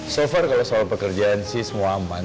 so far kalau soal pekerjaan sih semua aman